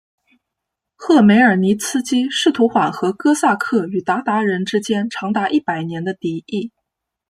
赫梅尔尼茨基试图缓和哥萨克与鞑靼人之间长达一百年的敌意。